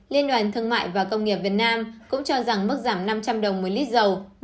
liên đoàn thương mại và công nghiệp việt nam cũng cho rằng mức giảm năm trăm linh đồng một lít dầu